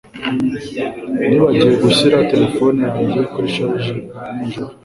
Nibagiwe gushyira terefone yanjye kuri charger nijoro